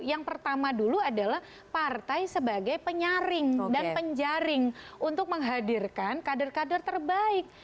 yang pertama dulu adalah partai sebagai penyaring dan penjaring untuk menghadirkan kader kader terbaik